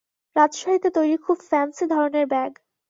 রাজশাহীতে তৈরি খুব ফ্যান্সি ধরনের ব্যাগ।